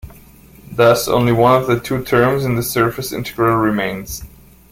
Thus only one of the two terms in the surface integral remains.